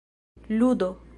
ludo